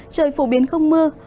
trời phổ biến không mưa